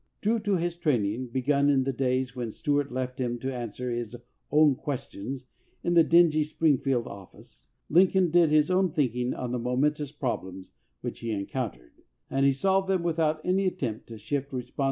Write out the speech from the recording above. True to his training begun in the days when Stuart left him to answer his own questions in the dingy Springfield office, Lincoln did his own thinking on the momentous problems which he encountered, and he solved them without any attempt to shift responsibility for the result.